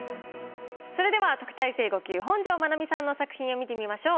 それでは特待生５級本上まなみさんの作品を見てみましょう。